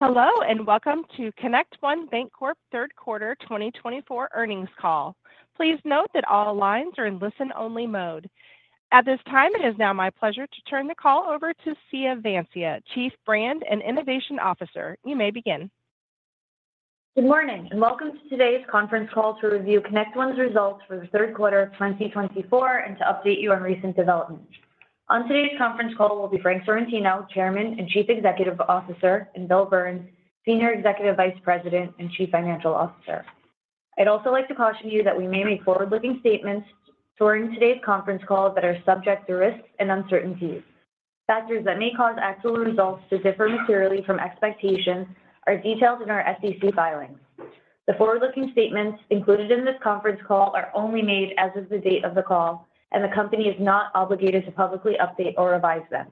Hello, and welcome to ConnectOne Bancorp third quarter twenty twenty-four earnings call. Please note that all lines are in listen-only mode. At this time, it is now my pleasure to turn the call over to Siya Vansia, Chief Brand and Innovation Officer. You may begin. Good morning, and welcome to today's conference call to review ConnectOne's results for the third quarter of twenty twenty-four and to update you on recent developments. On today's conference call will be Frank Sorrentino, Chairman and Chief Executive Officer, and Bill Burns, Senior Executive Vice President and Chief Financial Officer. I'd also like to caution you that we may make forward-looking statements during today's conference call that are subject to risks and uncertainties. Factors that may cause actual results to differ materially from expectations are detailed in our SEC filings. The forward-looking statements included in this conference call are only made as of the date of the call, and the company is not obligated to publicly update or revise them.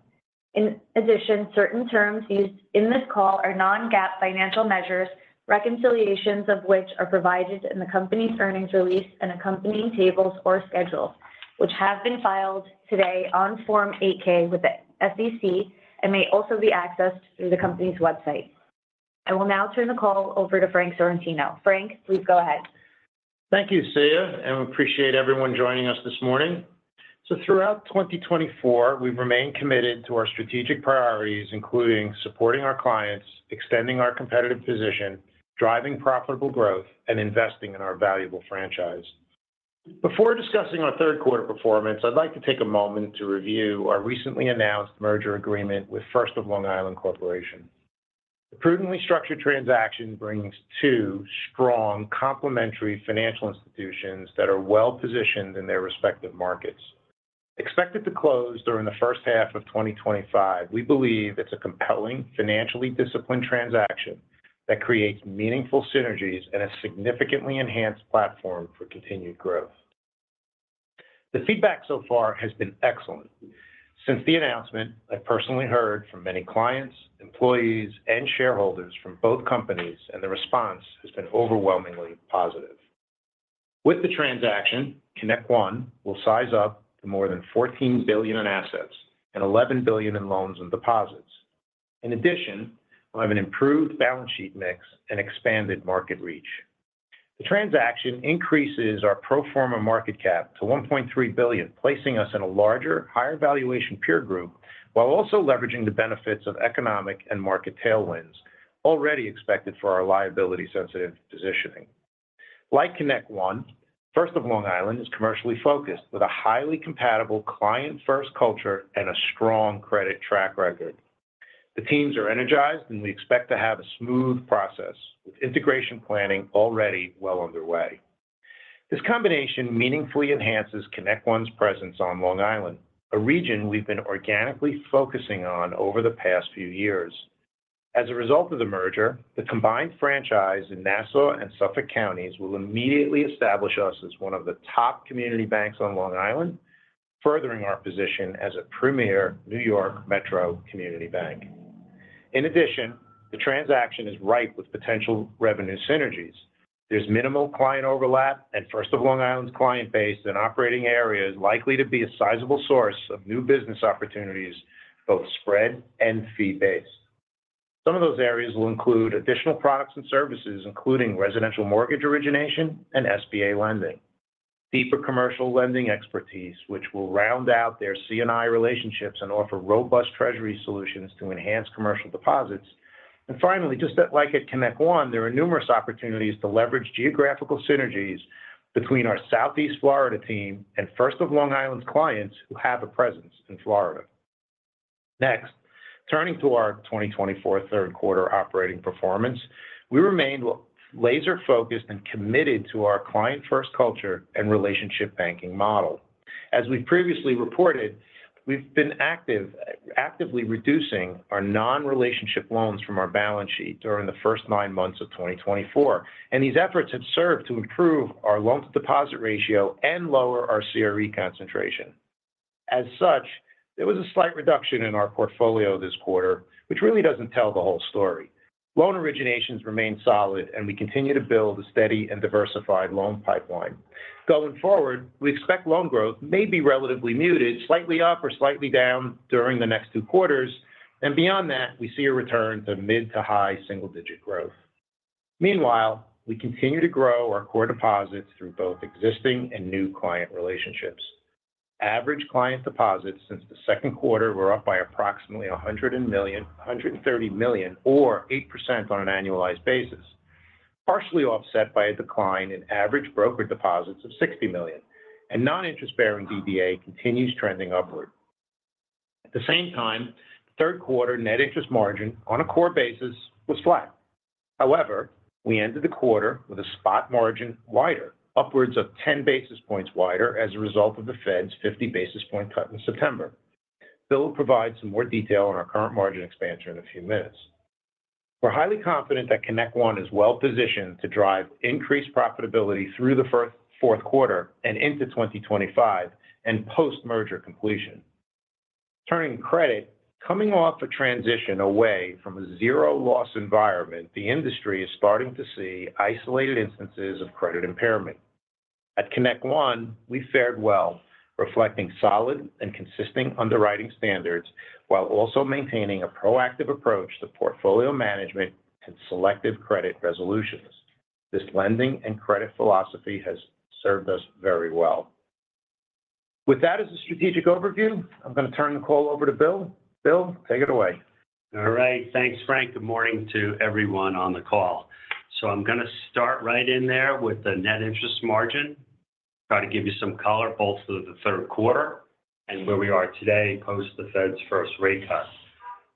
In addition, certain terms used in this call are non-GAAP financial measures, reconciliations of which are provided in the company's earnings release and accompanying tables or schedules, which have been filed today on Form 8-K with the SEC and may also be accessed through the company's website. I will now turn the call over to Frank Sorrentino. Frank, please go ahead. Thank you, Siya, and we appreciate everyone joining us this morning. So throughout twenty twenty-four, we've remained committed to our strategic priorities, including supporting our clients, extending our competitive position, driving profitable growth, and investing in our valuable franchise. Before discussing our third quarter performance, I'd like to take a moment to review our recently announced merger agreement with First of Long Island Corporation. The prudently structured transaction brings two strong complementary financial institutions that are well-positioned in their respective markets. Expected to close during the first half of twenty twenty-five, we believe it's a compelling, financially disciplined transaction that creates meaningful synergies and a significantly enhanced platform for continued growth. The feedback so far has been excellent. Since the announcement, I've personally heard from many clients, employees, and shareholders from both companies, and the response has been overwhelmingly positive. With the transaction, ConnectOne will size up to more than $14 billion in assets and $11 billion in loans and deposits. In addition, we'll have an improved balance sheet mix and expanded market reach. The transaction increases our pro forma market cap to $1.3 billion, placing us in a larger, higher valuation peer group, while also leveraging the benefits of economic and market tailwinds already expected for our liability-sensitive positioning. Like ConnectOne, First of Long Island is commercially focused, with a highly compatible client-first culture and a strong credit track record. The teams are energized, and we expect to have a smooth process, with integration planning already well underway. This combination meaningfully enhances ConnectOne's presence on Long Island, a region we've been organically focusing on over the past few years. As a result of the merger, the combined franchise in Nassau and Suffolk Counties will immediately establish us as one of the top community banks on Long Island, furthering our position as a premier New York Metro community bank. In addition, the transaction is ripe with potential revenue synergies. There's minimal client overlap, and First of Long Island's client base and operating area is likely to be a sizable source of new business opportunities, both spread and fee-based. Some of those areas will include additional products and services, including residential mortgage origination and SBA lending, deeper commercial lending expertise, which will round out their C&I relationships and offer robust treasury solutions to enhance commercial deposits. And finally, just like at ConnectOne, there are numerous opportunities to leverage geographical synergies between our Southeast Florida team and First of Long Island's clients who have a presence in Florida. Next, turning to our twenty twenty-four third quarter operating performance, we remained laser focused and committed to our client-first culture and relationship banking model. As we've previously reported, we've been actively reducing our non-relationship loans from our balance sheet during the first nine months of twenty twenty-four, and these efforts have served to improve our loan-to-deposit ratio and lower our CRE concentration. As such, there was a slight reduction in our portfolio this quarter, which really doesn't tell the whole story. Loan originations remain solid, and we continue to build a steady and diversified loan pipeline. Going forward, we expect loan growth may be relatively muted, slightly up or slightly down during the next two quarters, and beyond that, we see a return to mid to high single-digit growth. Meanwhile, we continue to grow our core deposits through both existing and new client relationships. Average client deposits since the second quarter were up by approximately $130 million, or 8% on an annualized basis, partially offset by a decline in average brokered deposits of $60 million, and non-interest-bearing DDA continues trending upward. At the same time, third quarter net interest margin on a core basis was flat. However, we ended the quarter with a spot margin wider, upwards of 10 basis points wider as a result of the Fed's 50 basis points cut in September. Bill will provide some more detail on our current margin expansion in a few minutes. We're highly confident that ConnectOne is well positioned to drive increased profitability through the fourth quarter and into twenty twenty-five and post-merger completion. Turning to credit, coming off a transition away from a zero-loss environment, the industry is starting to see isolated instances of credit impairment. At ConnectOne, we fared well, reflecting solid and consistent underwriting standards, while also maintaining a proactive approach to portfolio management and selective credit resolutions. This lending and credit philosophy has served us very well. With that as a strategic overview, I'm going to turn the call over to Bill. Bill, take it away. All right. Thanks, Frank. Good morning to everyone on the call. So I'm going to start right in there with the net interest margin. Try to give you some color both through the third quarter and where we are today, post the Fed's first rate cut.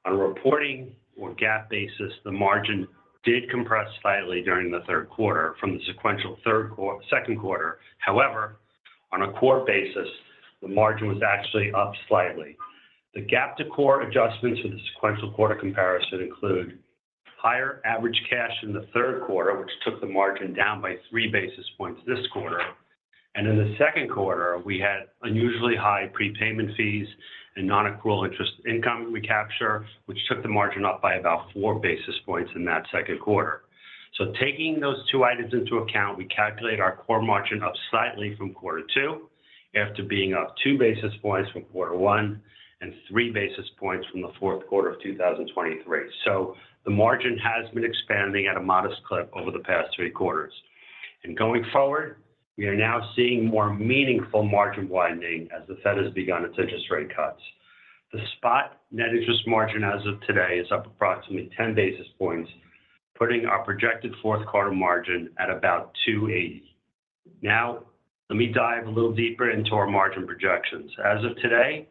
On a reporting or GAAP basis, the margin did compress slightly during the third quarter from the sequential second quarter. However, on a core basis, the margin was actually up slightly. The GAAP to core adjustments for the sequential quarter comparison include higher average cash in the third quarter, which took the margin down by three basis points this quarter. And in the second quarter, we had unusually high prepayment fees and non-accrual interest income recapture, which took the margin up by about four basis points in that second quarter. Taking those two items into account, we calculate our core margin up slightly from quarter two, after being up two basis points from quarter one and three basis points from the fourth quarter of 2023. The margin has been expanding at a modest clip over the past three quarters. Going forward, we are now seeing more meaningful margin widening as the Fed has begun its interest rate cuts. The spot net interest margin as of today is up approximately 10 basis points, putting our projected fourth quarter margin at about 280. Now, let me dive a little deeper into our margin projections. As of today,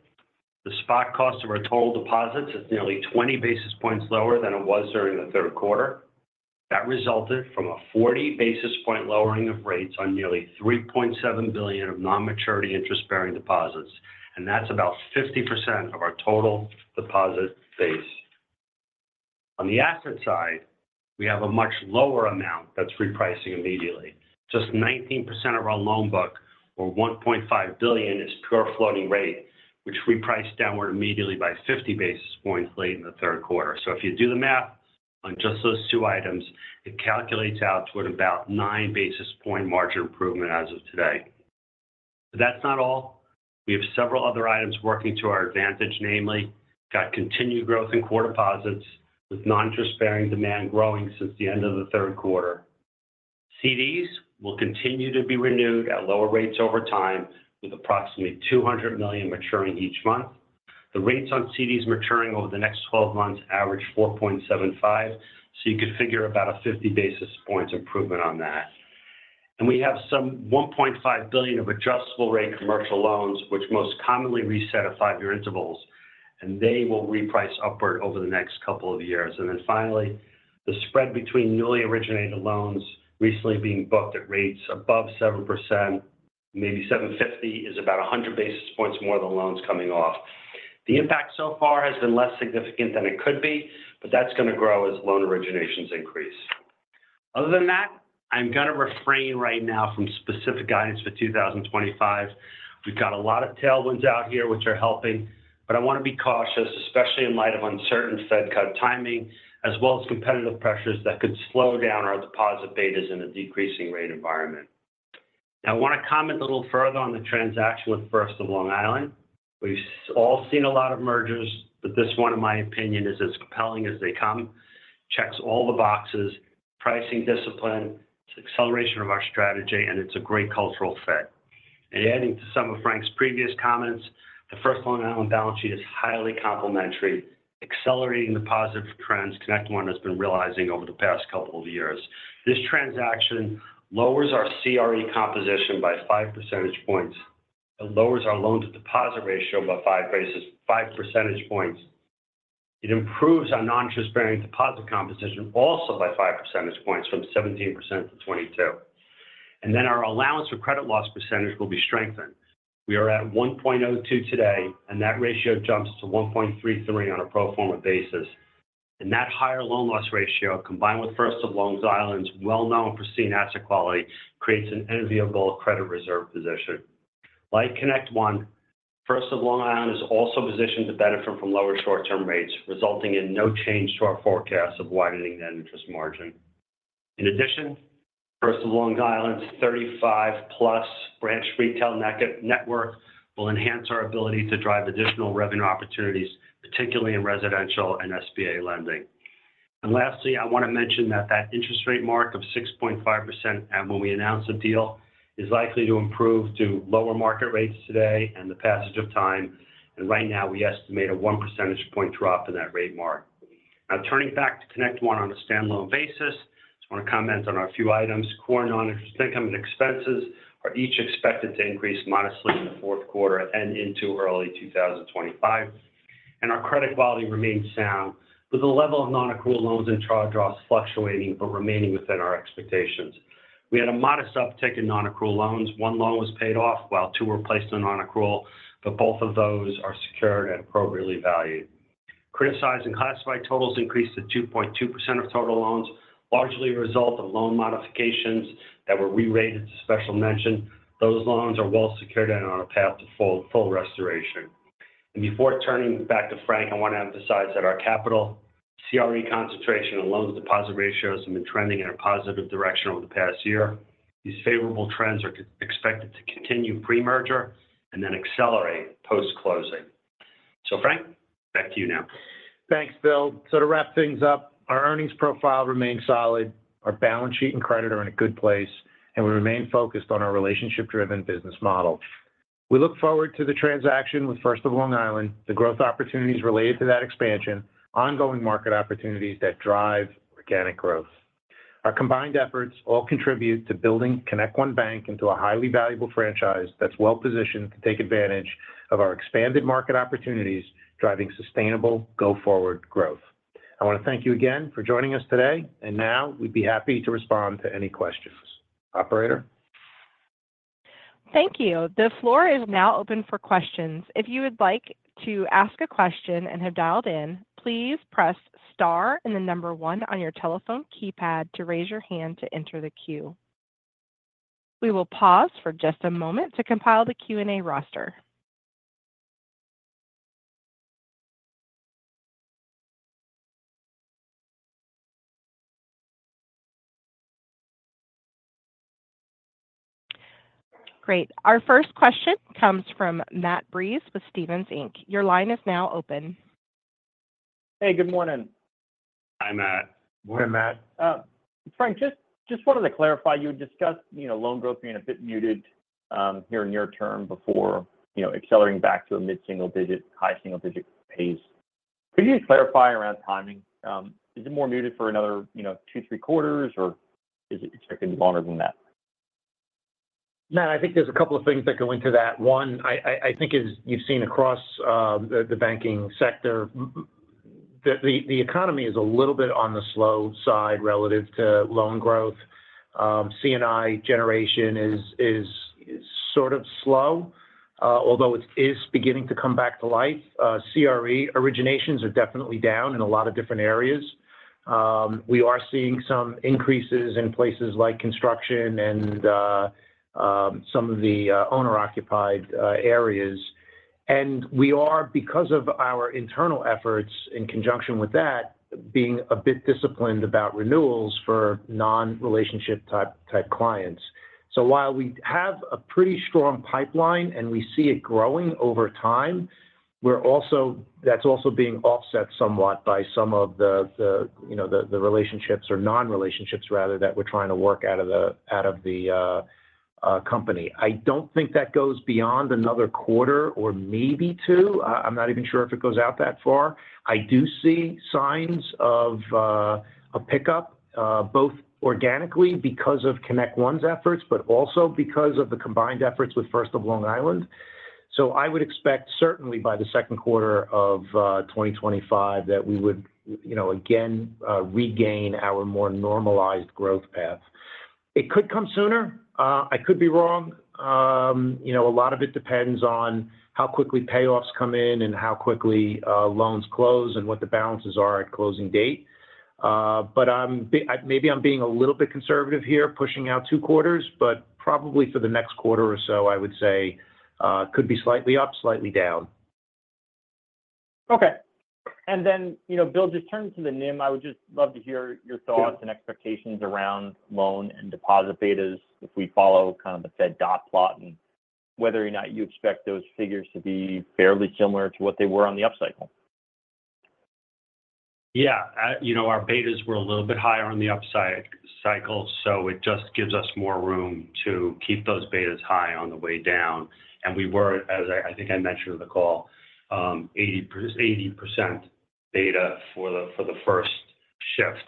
the spot cost of our total deposits is nearly 20 basis points lower than it was during the third quarter. That resulted from a 40 basis point lowering of rates on nearly $3.7 billion of non-maturity interest-bearing deposits, and that's about 50% of our total deposit base. On the asset side, we have a much lower amount that's repricing immediately. Just 19% of our loan book, or $1.5 billion, is pure floating rate, which repriced downward immediately by 50 basis points late in the third quarter. So if you do the math on just those two items, it calculates out to about nine basis point margin improvement as of today. But that's not all. We have several other items working to our advantage, namely, got continued growth in core deposits, with non-interest-bearing demand growing since the end of the third quarter. CDs will continue to be renewed at lower rates over time, with approximately $200 million maturing each month. The rates on CDs maturing over the next twelve months average 4.75%, so you could figure about a 50 basis points improvement on that. We have some $1.5 billion of adjustable-rate commercial loans, which most commonly reset at five-year intervals, and they will reprice upward over the next couple of years. Then finally, the spread between newly originated loans recently being booked at rates above 7%, maybe 7.50%, is about 100 basis points more than loans coming off. The impact so far has been less significant than it could be, but that's going to grow as loan originations increase. Other than that, I'm going to refrain right now from specific guidance for 2025. We've got a lot of tailwinds out here which are helping, but I want to be cautious, especially in light of uncertain Fed cut timing, as well as competitive pressures that could slow down our deposit betas in a decreasing rate environment. I want to comment a little further on the transaction with First of Long Island. We've all seen a lot of mergers, but this one, in my opinion, is as compelling as they come. Checks all the boxes, pricing discipline, it's acceleration of our strategy, and it's a great cultural fit, and adding to some of Frank's previous comments, the First Long Island balance sheet is highly complementary, accelerating the positive trends ConnectOne has been realizing over the past couple of years. This transaction lowers our CRE composition by five percentage points. It lowers our loan-to-deposit ratio by five percentage points. It improves our non-interest-bearing deposit composition also by five percentage points, from 17% to 22%. Then our allowance for credit losses percentage will be strengthened. We are at 1.02 today, and that ratio jumps to 1.33 on a pro forma basis. That higher loan loss ratio, combined with First of Long Island's well-known pristine asset quality, creates an enviable credit reserve position. Like ConnectOne, First of Long Island is also positioned to benefit from lower short-term rates, resulting in no change to our forecast of widening net interest margin. In addition, First of Long Island's 35-plus branch retail network will enhance our ability to drive additional revenue opportunities, particularly in residential and SBA lending. Lastly, I want to mention that that interest rate mark of 6.5% when we announced the deal is likely to improve to lower market rates today and the passage of time. Right now, we estimate a one percentage point drop in that rate mark. Now, turning back to ConnectOne on a stand-alone basis, just want to comment on a few items. Core non-interest income and expenses are each expected to increase modestly in the fourth quarter and into early two thousand twenty-five, and our credit quality remains sound, with the level of non-accrual loans and charge-offs fluctuating but remaining within our expectations. We had a modest uptick in non-accrual loans. One loan was paid off while two were placed on non-accrual, but both of those are secured and appropriately valued. Criticized and classified totals increased to 2.2% of total loans, largely a result of loan modifications that were re-rated to special mention. Those loans are well secured and on a path to full, full restoration. And before turning back to Frank, I want to emphasize that our capital, CRE concentration and loan deposit ratios have been trending in a positive direction over the past year. These favorable trends are expected to continue pre-merger and then accelerate post-closing. So, Frank, back to you now. Thanks, Bill. So to wrap things up, our earnings profile remains solid, our balance sheet and credit are in a good place, and we remain focused on our relationship-driven business model. We look forward to the transaction with First of Long Island, the growth opportunities related to that expansion, ongoing market opportunities that drive organic growth. Our combined efforts all contribute to building ConnectOne Bank into a highly valuable franchise that's well-positioned to take advantage of our expanded market opportunities, driving sustainable go-forward growth. I want to thank you again for joining us today, and now we'd be happy to respond to any questions. Operator? Thank you. The floor is now open for questions. If you would like to ask a question and have dialed in, please press star and the number one on your telephone keypad to raise your hand to enter the queue. We will pause for just a moment to compile the Q&A roster. Great. Our first question comes from Matt Breese with Stephens Inc. Your line is now open. Hey, good morning. Hi, Matt. Good morning, Matt. Frank, just wanted to clarify, you had discussed, you know, loan growth being a bit muted here in near term before, you know, accelerating back to a mid-single digit, high single-digit pace. Could you clarify around timing? Is it more muted for another, you know, two, three quarters, or is it expected to be longer than that? Matt, I think there's a couple of things that go into that. One, I think as you've seen across the banking sector, the economy is a little bit on the slow side relative to loan growth. C&I generation is sort of slow, although it is beginning to come back to life. CRE originations are definitely down in a lot of different areas. We are seeing some increases in places like construction and some of the owner-occupied areas. And we are, because of our internal efforts in conjunction with that, being a bit disciplined about renewals for non-relationship type clients. So while we have a pretty strong pipeline and we see it growing over time, we're also-- that's also being offset somewhat by some of the, the, you know, the, the relationships or non-relationships rather, that we're trying to work out of the, out of the company. I don't think that goes beyond another quarter or maybe two. I'm not even sure if it goes out that far. I do see signs of a pickup both organically because of ConnectOne's efforts, but also because of the combined efforts with First of Long Island. So I would expect, certainly by the second quarter of twenty twenty-five, that we would, you know, again, regain our more normalized growth paths. It could come sooner. I could be wrong. You know, a lot of it depends on how quickly payoffs come in and how quickly loans close and what the balances are at closing date. But maybe I'm being a little bit conservative here, pushing out two quarters, but probably for the next quarter or so, I would say could be slightly up, slightly down. Okay, and then, you know, Bill, just turning to the NIM, I would just love to hear your thoughts- Sure... and expectations around loan and deposit betas if we follow kind of the Fed dot plot and whether or not you expect those figures to be fairly similar to what they were on the upcycle? Yeah. You know, our betas were a little bit higher on the upside cycle, so it just gives us more room to keep those betas high on the way down. And we were, as I think I mentioned in the call, 80% beta for the first shift.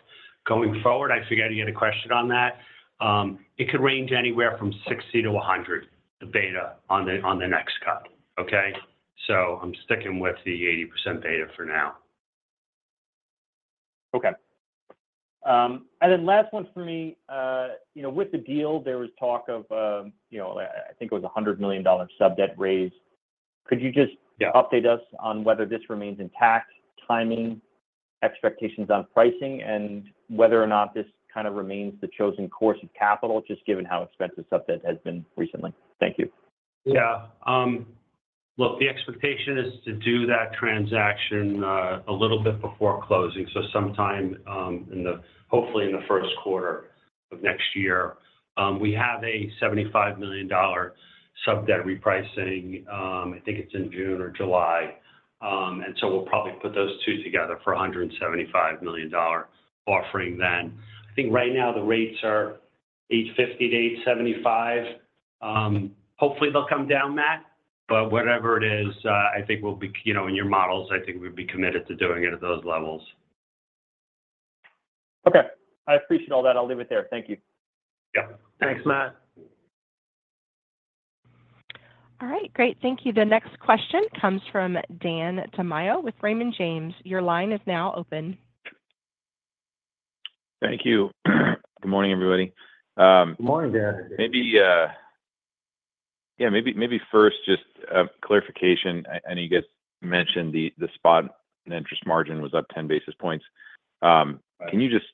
Going forward, I forgot to get a question on that. It could range anywhere from 60%-100%, the beta on the next cut, okay? So I'm sticking with the 80% beta for now. Okay. And then last one for me. You know, with the deal, there was talk of, you know, I think it was a $100 million subdebt raise. Could you just- Yeah... update us on whether this remains intact, timing, expectations on pricing, and whether or not this kind of remains the chosen source of capital, just given how expensive subdebt has been recently? Thank you. Yeah. Look, the expectation is to do that transaction a little bit before closing, so sometime, hopefully in the first quarter of next year. We have a $75 million subdebt repricing, I think it's in June or July. And so we'll probably put those two together for a $175 million offering then. I think right now the rates are 8.50%-8.75%. Hopefully, they'll come down, Matt, but whatever it is, I think we'll be, you know, in your models, I think we'll be committed to doing it at those levels. Okay. I appreciate all that. I'll leave it there. Thank you. Yeah. Thanks, Matt. All right. Great. Thank you. The next question comes from Dan Tamayo with Raymond James. Your line is now open. Thank you. Good morning, everybody. Good morning, Dan. Maybe, yeah, maybe first, just a clarification. I know you guys mentioned the spot net interest margin was up ten basis points. Can you just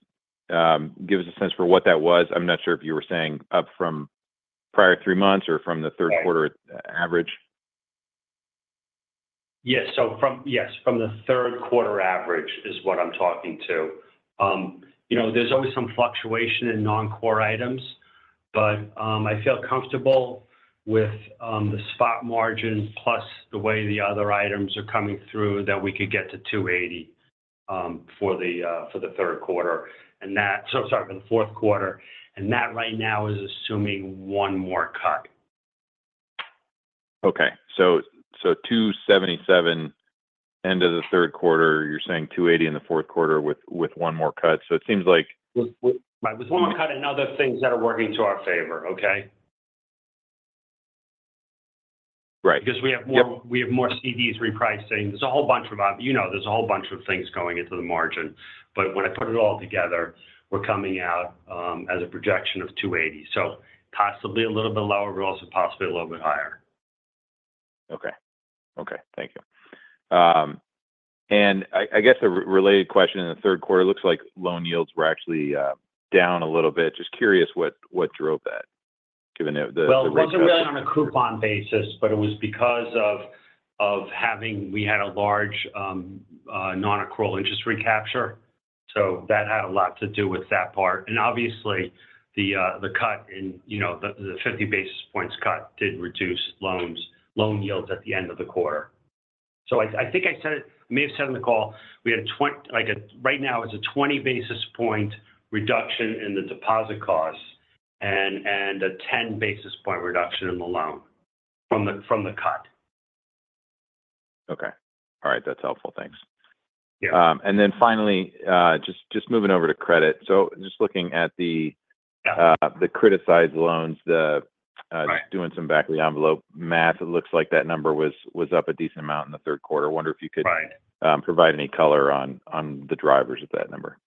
give us a sense for what that was? I'm not sure if you were saying up from prior three months or from the third quarter average? Yes. So yes, from the third quarter average is what I'm talking to. You know, there's always some fluctuation in non-core items, but I feel comfortable with the spot margin plus the way the other items are coming through that we could get to two eighty for the third quarter, and that, so sorry, for the fourth quarter, and that right now is assuming one more cut. Okay. So, two seventy-seven end of the third quarter, you're saying two eighty in the fourth quarter with one more cut. So it seems like- With one more cut and other things that are working to our favor, okay? Right. Because we have more- Yep... we have more CDs repricing. There's a whole bunch of, you know, there's a whole bunch of things going into the margin, but when I put it all together, we're coming out as a projection of two eighty. So possibly a little bit lower, but also possibly a little bit higher. Okay. Okay, thank you. And I guess a related question, in the third quarter, it looks like loan yields were actually down a little bit. Just curious what drove that, given the. Well, it wasn't really on a coupon basis, but it was because of having we had a large non-accrual interest recapture. So that had a lot to do with that part. And obviously, the cut in, you know, the fifty basis points cut did reduce loan yields at the end of the quarter. So I think I said it, may have said on the call, we had twenty, like, right now it's a twenty basis point reduction in the deposit costs and a ten basis point reduction in the loan from the cut. Okay. All right, that's helpful. Thanks. Yeah. And then finally, just moving over to credit. So just looking at the- Yeah... the criticized loans, Right... just doing some back-of-the-envelope math, it looks like that number was up a decent amount in the third quarter. Right. Wonder if you could provide any color on the drivers of that number.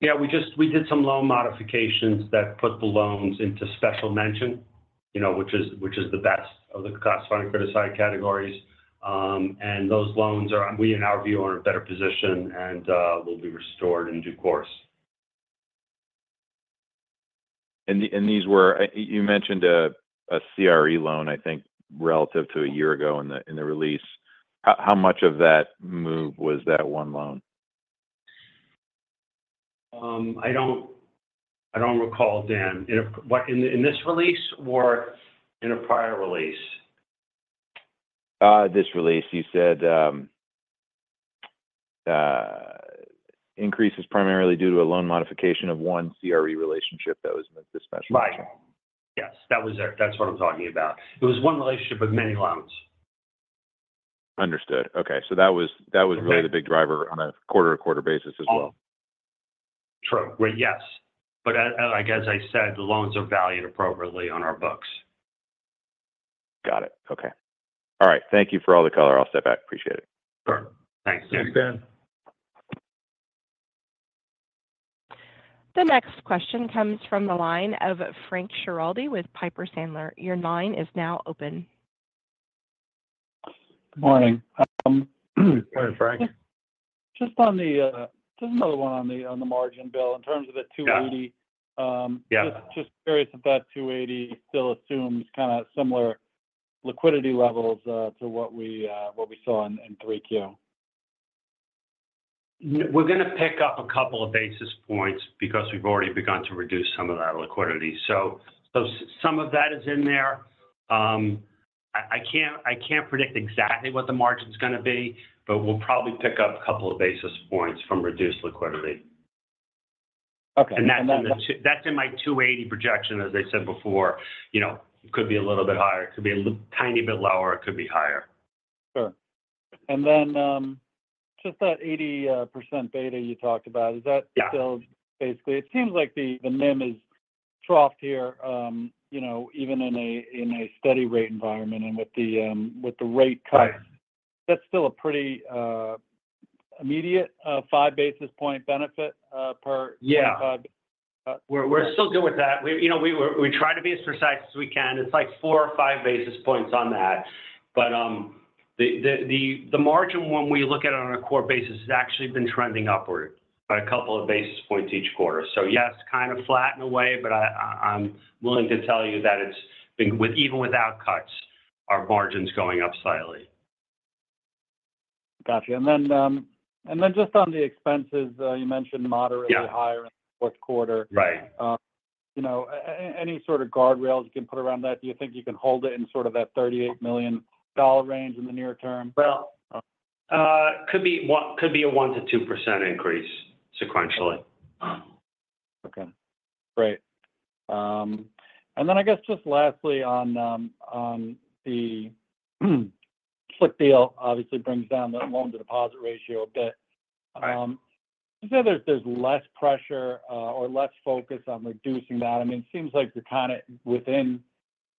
Yeah, we just did some loan modifications that put the loans into special mention, you know, which is the best of the classified and criticized categories. And those loans, in our view, are in a better position and will be restored in due course. You mentioned a CRE loan, I think, relative to a year ago in the release. How much of that move was that one loan? I don't recall, Dan. In a, what, in this release or in a prior release? This release, you said, "Increase is primarily due to a loan modification of one CRE relationship that was with the Special Mention. Right. Yes, that was it. That's what I'm talking about. It was one relationship with many loans. Understood. Okay. So that was— Okay... really the big driver on a quarter-to-quarter basis as well. True. Well, yes. But as, like as I said, the loans are valued appropriately on our books. Got it. Okay. All right. Thank you for all the color. I'll step back. Appreciate it. Sure. Thanks. Thanks, Dan. The next question comes from the line of Frank Schiraldi with Piper Sandler. Your line is now open. Good morning. Good morning, Frank. Just another one on the margin, Bill, in terms of the two eighty- Yeah. Um- Yeah... just, just curious if that two eighty still assumes kind of similar liquidity levels, to what we saw in 3Q? We're going to pick up a couple of basis points because we've already begun to reduce some of that liquidity. So, some of that is in there. I can't predict exactly what the margin's going to be, but we'll probably pick up a couple of basis points from reduced liquidity. Okay, and then the- And that's in my two eighty projection, as I said before. You know, it could be a little bit higher, it could be a little tiny bit lower, it could be higher. Sure. And then, just that 80% beta you talked about, is that still- Yeah... basically, it seems like the NIM is troughed here, you know, even in a steady rate environment and with the rate cuts- Right... that's still a pretty, immediate, five basis point benefit, per- Yeah... We're still good with that. You know, we try to be as precise as we can. It's like four or five basis points on that. But the margin, when we look at it on a core basis, has actually been trending upward by a couple of basis points each quarter. So yes, kind of flat in a way, but I'm willing to tell you that it's been even without cuts, our margin's going up slightly. Got you. And then just on the expenses, you mentioned moderately- Yeah ... higher in the fourth quarter. Right. You know, any sort of guardrails you can put around that? Do you think you can hold it in sort of that $38 million range in the near term? Could be a 1%-2% increase sequentially. Okay. Great. And then I guess just lastly on the FLIC deal obviously brings down the loan-to-deposit ratio a bit. Right. You said there's less pressure or less focus on reducing that. I mean, it seems like you're kind of within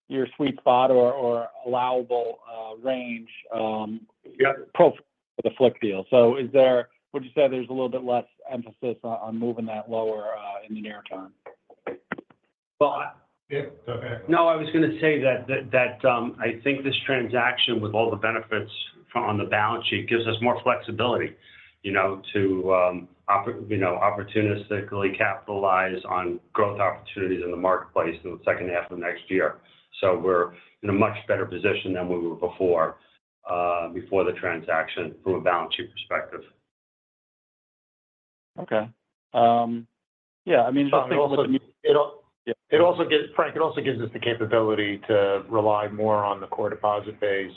your sweet spot or allowable range. Yeah... pro forma for the FLIC deal. So, is there—would you say there's a little bit less emphasis on moving that lower in the near term? Well, I- Yeah, go ahead. No, I was going to say that, I think this transaction with all the benefits-... on the balance sheet gives us more flexibility, you know, to you know, opportunistically capitalize on growth opportunities in the marketplace in the second half of next year. So we're in a much better position than we were before the transaction from a balance sheet perspective. Okay. Yeah, I mean. Frank, it also gives us the capability to rely more on the core deposit base,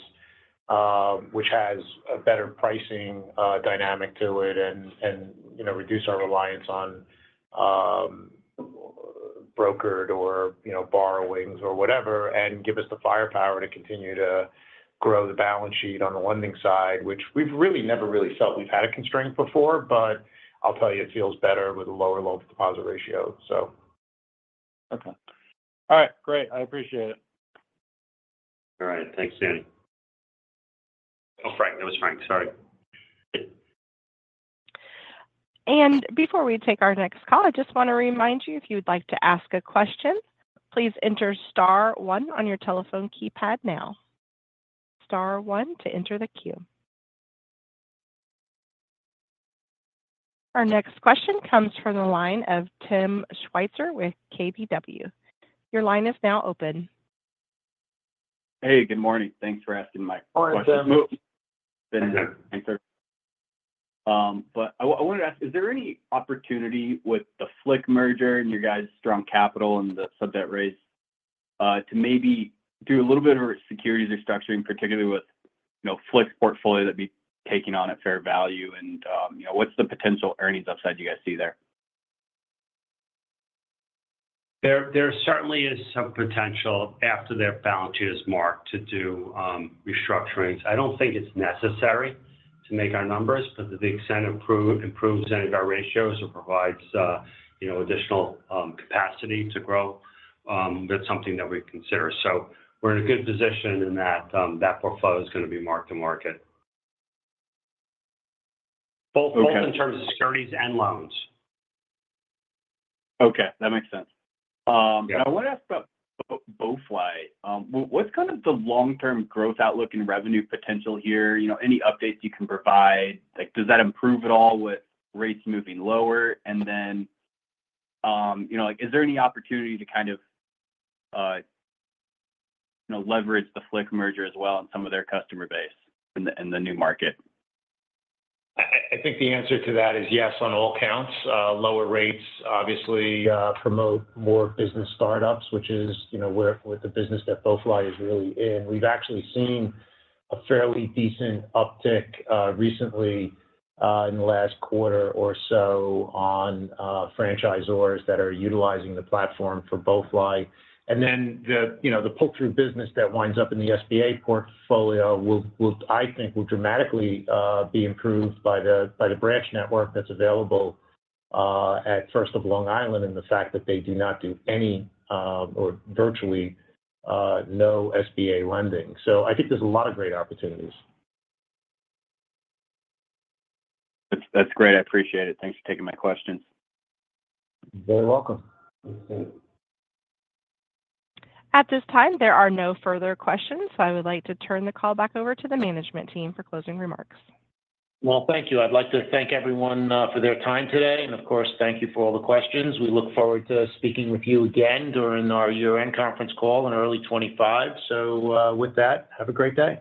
which has a better pricing dynamic to it and, you know, reduce our reliance on brokered or, you know, borrowings or whatever, and give us the firepower to continue to grow the balance sheet on the lending side, which we've really never felt we've had a constraint before. But I'll tell you, it feels better with a lower loan-to-deposit ratio. So- Okay. All right, great. I appreciate it. All right. Thanks, Dan. Oh, Frank. It was Frank. Sorry. And before we take our next call, I just want to remind you, if you would like to ask a question, please enter star one on your telephone keypad now. Star one to enter the queue. Our next question comes from the line of Tim Switzer with KBW. Your line is now open. Hey, good morning. Thanks for asking my question. Hi, Tim. But I wanted to ask, is there any opportunity with the Flick merger and your guys' strong capital and the sub debt rates, to maybe do a little bit of a securities restructuring, particularly with, you know, Flick's portfolio that'd be taking on at fair value? And, you know, what's the potential earnings upside you guys see there? There certainly is some potential after their balance sheet is marked to do restructurings. I don't think it's necessary to make our numbers, but to the extent it improves any of our ratios or provides, you know, additional capacity to grow, that's something that we'd consider. So we're in a good position in that portfolio is going to be marked to market. Okay. Both in terms of securities and loans. Okay, that makes sense. Yeah. I want to ask about BoeFly. What's kind of the long-term growth outlook and revenue potential here? You know, any updates you can provide? Like, does that improve at all with rates moving lower? And then, you know, like, is there any opportunity to kind of, you know, leverage the Flick merger as well and some of their customer base in the new market? I think the answer to that is yes on all counts. Lower rates obviously promote more business startups, which is, you know, where the business that BoeFly is really in. We've actually seen a fairly decent uptick recently in the last quarter or so on franchisors that are utilizing the platform for BoeFly. And then the, you know, the pull-through business that winds up in the SBA portfolio will, I think, will dramatically be improved by the branch network that's available at First of Long Island, and the fact that they do not do any or virtually no SBA lending. So I think there's a lot of great opportunities. That's, that's great. I appreciate it. Thanks for taking my questions. You're very welcome. At this time, there are no further questions, so I would like to turn the call back over to the management team for closing remarks. Thank you. I'd like to thank everyone for their time today, and of course, thank you for all the questions. We look forward to speaking with you again during our year-end conference call in early 2025. With that, have a great day.